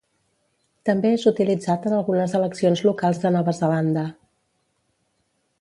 També és utilitzat en algunes eleccions locals de Nova Zelanda.